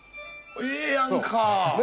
ええやんか。